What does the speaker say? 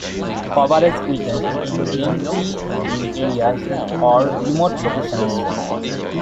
Coverage weakens in densely built areas or remote locations.